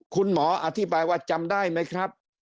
คุณหมออธิบายว่าจำได้ไหมครับ